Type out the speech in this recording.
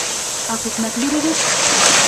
Аҡ икмәк бирегеҙ?